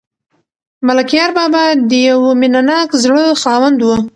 ملکیار بابا د یو مینه ناک زړه خاوند و.